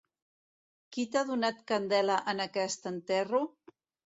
Qui t'ha donat candela en aquest enterro?